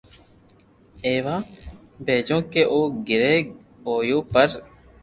ايوہ ڀجيو ڪي او گري ھيو پر